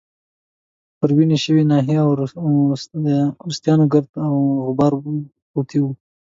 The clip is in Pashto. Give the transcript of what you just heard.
پر وینې شوې ناحیه او وریښتانو يې ګرد او غبار پرېوتی وو.